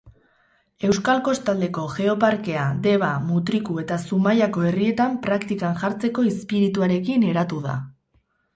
Euskal Kostaldeko Geoparkea, Deba, Mutriku eta Zumaiako herrietan praktikan jartzeko izpirituarekin eratu da.